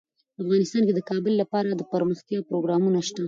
افغانستان کې د کابل لپاره دپرمختیا پروګرامونه شته.